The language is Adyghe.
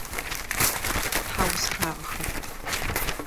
Тхьаусхагъэхэп.